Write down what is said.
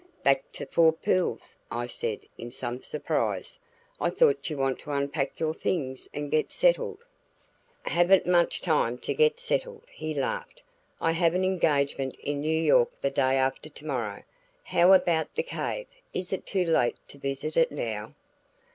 "Back to Four Pools," I said in some surprise. "I thought you'd want to unpack your things and get settled." "Haven't much time to get settled," he laughed. "I have an engagement in New York the day after to morrow. How about the cave? Is it too late to visit it now?"